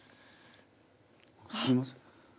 すいません。